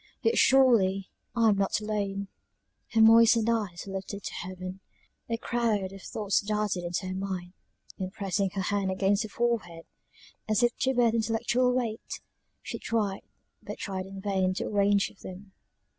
Yet surely, I am not alone!" Her moistened eyes were lifted up to heaven; a crowd of thoughts darted into her mind, and pressing her hand against her forehead, as if to bear the intellectual weight, she tried, but tried in vain, to arrange them.